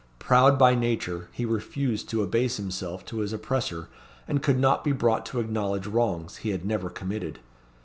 Proud by nature, he refused to abase himself to his oppressor, and could not be brought to acknowledge wrongs he had never committed.